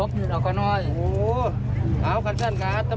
ผมก็ต้องทำให้บ้านดีกว่านะครับ